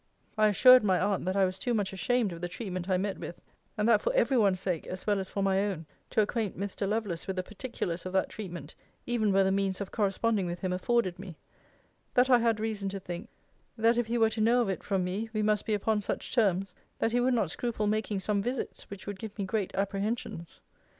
I assured my aunt, that I was too much ashamed of the treatment I met with (and that from every one's sake as well as for my own) to acquaint Mr. Lovelace with the particulars of that treatment, even were the means of corresponding with him afforded me: that I had reason to think, that if he were to know of it from me, we must be upon such terms, that he would not scruple making some visits, which would give me great apprehensions.